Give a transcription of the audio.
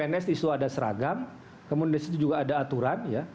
di situ ada seragam kemudian di situ juga ada aturan ya